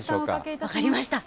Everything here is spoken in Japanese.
分かりました。